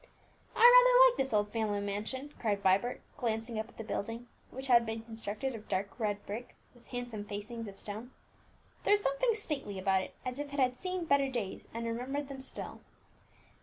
"I rather like this old family mansion," cried Vibert, glancing up at the building, which had been constructed of dark red brick, with handsome facings of stone. "There is something stately about it, as if it had seen better days, and remembered them still.